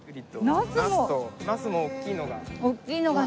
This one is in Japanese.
ナスも大きいのが。